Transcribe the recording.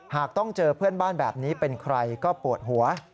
หากต้องเจอเพื่อนบ้านแบบนี้เป็นใครก็ปวดหัว